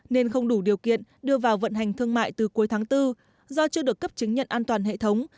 nên không đủ điều kiện đưa vào vận hành thương mại từ cuối tháng bốn do chưa được cấp chứng nhận an toàn hệ thống